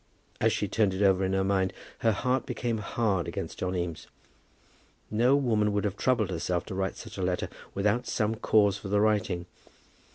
As she turned it over in her mind, her heart became hard against John Eames. No woman would have troubled herself to write such a letter without some cause for the writing.